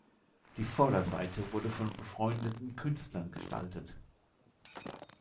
Die Vorderseite wurde von befreundeten Künstlern gestaltet.